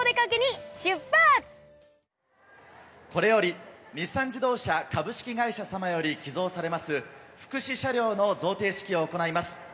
これより、日産自動車株式会社様より寄贈されます、福祉車両の贈呈式を行います。